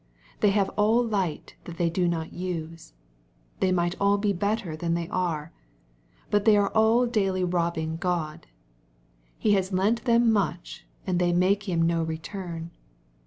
They have all light that they do not use. They might all be better than they are. But they are all daily robbing God. He has lent them much and they make Him no return.